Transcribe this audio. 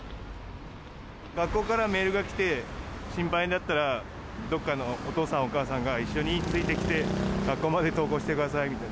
学校からメールが来て、心配だったら、どこかのお父さん、お母さんが一緒についてきて、学校まで登校してくださいみたいな。